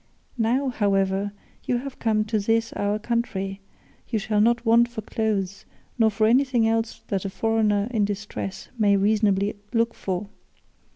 Now, however, that you have come to this our country, you shall not want for clothes nor for anything else that a foreigner in distress may reasonably look for.